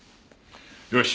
よし。